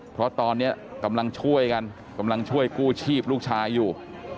เพราะตอนนี้กำลังช่วยกันกำลังช่วยกู้ชีพลูกชายอยู่